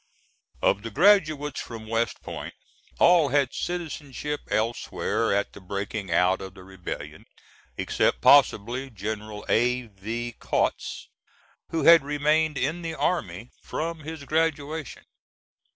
Of the graduates from West Point, all had citizenship elsewhere at the breaking out of the rebellion, except possibly General A. V. Kautz, who had remained in the army from his graduation.